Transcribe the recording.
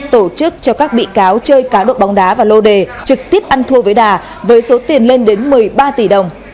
tổ chức cho các bị cáo chơi cá độ bóng đá và lô đề trực tiếp ăn thua với đà với số tiền lên đến một mươi ba tỷ đồng